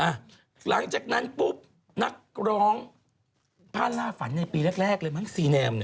หลังจากนั้นปุ๊บนักร้องผ้าล่าฝันในปีแรกเลยมั้งซีแนม